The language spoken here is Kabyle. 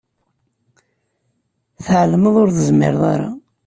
Tεelmeḍ ur zmireɣ ara.